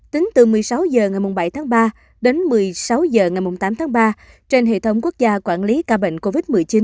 tính từ một mươi sáu h ngày bảy tháng ba đến một mươi sáu h ngày tám tháng ba trên hệ thống quốc gia quản lý ca bệnh covid một mươi chín